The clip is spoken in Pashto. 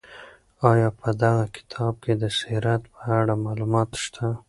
آیا په دغه کتاب کې د سیرت په اړه معلومات شته؟